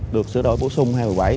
được sửa đổi bổ sung hai mươi bảy